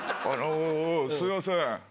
あのすいません。